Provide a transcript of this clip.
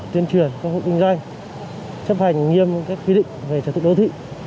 tuyên truyền các hội tinh doanh chấp hành nghiêm các quy định về trật tự đô thị